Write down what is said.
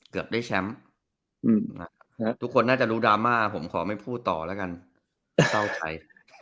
เกือบได้แชมป์ทุกคนน่าจะรู้ดราม่าผมขอไม่พูดต่อแล้วกันเข้าใคร